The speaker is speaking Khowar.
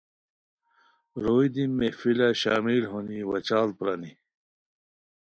روئے دی محفلہ شامل ہونی وا چاڑ پرانی